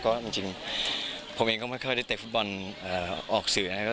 ก็จริงผมเองก็ไม่ค่อยได้เตะฟุตบอลออกสื่อนะครับ